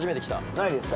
ないですか？